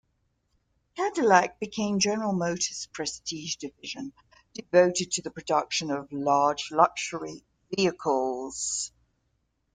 Cadillac became General Motors' prestige division, devoted to the production of large luxury vehicles.